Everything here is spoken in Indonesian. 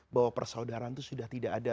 bahwa persaudaraan itu sudah tidak ada